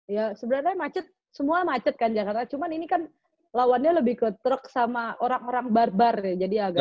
iya sebenernya macet semua macet kan jakarta cuman ini kan lawannya lebih ketruk sama orang orang barbar ya jadi agak